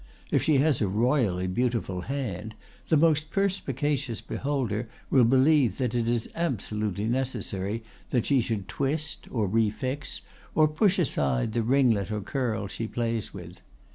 If she has a royally beautiful hand, the most perspicacious beholder will believe that it is absolutely necessary that she should twist, or refix, or push aside the ringlet or curl she plays with.